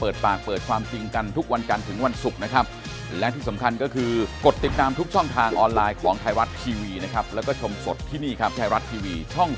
จะดำเนินการอย่างไรต่อไป